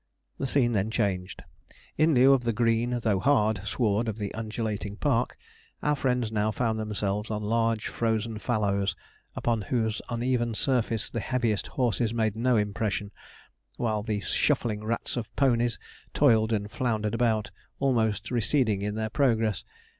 The scene then changed. In lieu of the green, though hard, sward of the undulating park, our friends now found themselves on large frozen fallows, upon whose uneven surface the heaviest horses made no impression while the shuffling rats of ponies toiled and floundered about, almost receding in their progress.